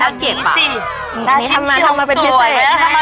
น่าชิ้นช่วงสวย